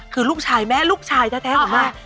คือลูกชายแม่ลูกชายแท้ของแม่